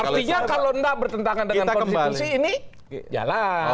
artinya kalau tidak bertentangan dengan konstitusi ini jalan